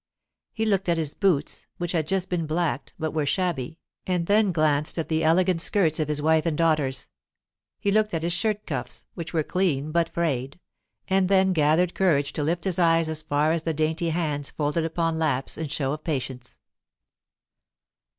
He looked at his boots, which had just been blacked, but were shabby, and then glanced at the elegant skirts of his wife and daughters; he looked at his shirt cuffs, which were clean but frayed, and then gathered courage to lift his eyes as far as the dainty hands folded upon laps in show of patience.